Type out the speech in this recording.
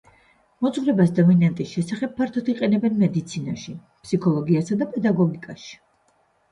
მოძღვრებას დომინანტის შესახებ ფართოდ იყენებენ მედიცინაში, ფსიქოლოგიასა და პედაგოგიკაში.